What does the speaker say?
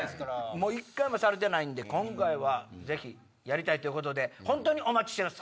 １回もされてないんで今回はぜひやりたいということで本当にお待ちしてます